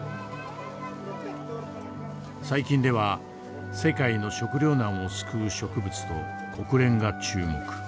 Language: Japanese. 最近では世界の食糧難を救う植物と国連が注目。